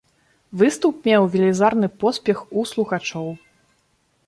Выступ меў велізарны поспех у слухачоў.